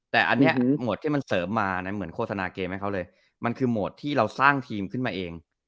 แต่อันนี้โหมดที่มันเสริมมาเหมือนโฆษณาเกมให้เขาเลยมันคือโหมดที่เราสร้างทีมขึ้นมาเอง